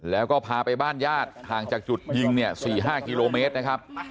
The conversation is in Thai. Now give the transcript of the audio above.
แล้วก็พาไปบ้านญาติห่างจากจุดยิงเนี่ย๔๕กิโลเมตรนะครับ